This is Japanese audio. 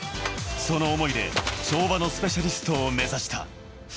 その思いで跳馬のスペシャリストを目指した。